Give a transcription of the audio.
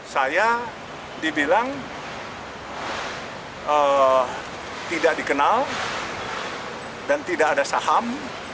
saya dibilang tidak dikenal dan tidak ada saham